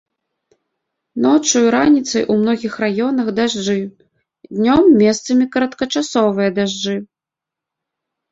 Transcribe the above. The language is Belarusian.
Ноччу і раніцай у многіх раёнах дажджы, днём месцамі кароткачасовыя дажджы.